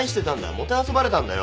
もてあそばれたんだよ。